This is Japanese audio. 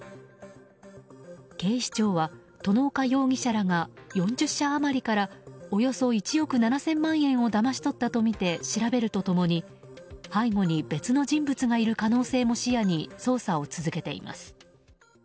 警視庁は外岡容疑者らが４０社余りからおよそ１億７０００万円をだましとったとみて調べると共に背後に別の人物がいる可能性も視野に捜査を続けています。